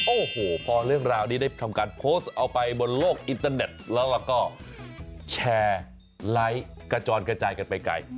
โอ้โหพอเรื่องราวนี้ได้ทำการโพสต์เอาไปบนโลกอินเตอร์เน็ตแล้วก็แชร์ไลค์กระจอนกระจายกันไปไกล